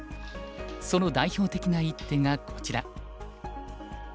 その代表的な一手がこちら。